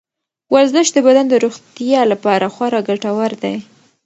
ورزش د بدن د روغتیا لپاره خورا ګټور دی.